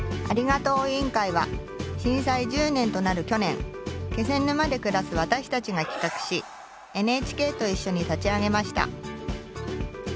ありがとう委員会は震災１０年となる去年気仙沼で暮らす私たちが企画しＮＨＫと一緒に立ち上げました。